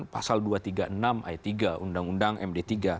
pasal dua ratus tiga puluh enam ayat tiga undang undang md tiga